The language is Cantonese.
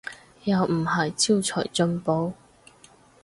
又唔係招財進寶